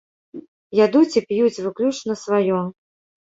Ядуць і п'юць выключна сваё.